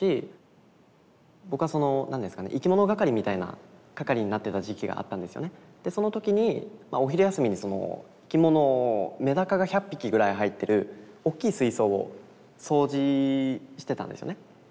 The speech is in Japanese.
僕はその何ですかねでその時にお昼休みに生き物メダカが１００匹ぐらい入ってるおっきい水槽を掃除してたんですよね。